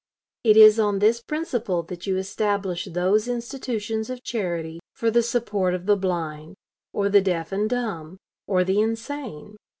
It is on this principle that you establish those institutions of charity for the support of the blind, or the deaf and dumb, or the insane.